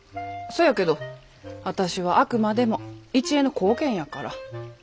そやけど私はあくまでも一恵の後見やから。